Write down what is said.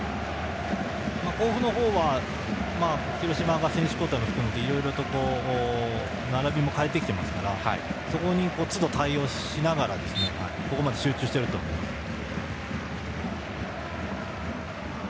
甲府の方は広島の選手交代も含めていろいろと並びも変えてきていますからそこにつど対応しながらここまで集中していると思います。